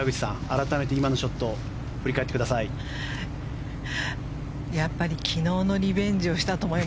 改めて今のショット振り返ってください。